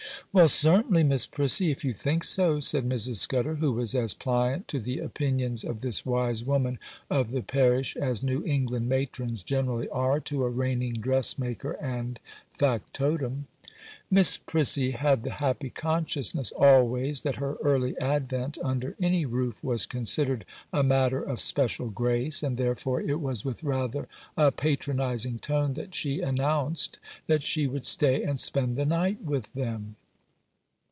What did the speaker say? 'Well, certainly, Miss Prissy, if you think so,' said Mrs. Scudder, who was as pliant to the opinions of this wise woman of the parish as New England matrons generally are to a reigning dressmaker and factotum. Miss Prissy had the happy consciousness always that her early advent under any roof was considered a matter of special grace, and therefore it was with rather a patronizing tone that she announced that she would stay and spend the night with them.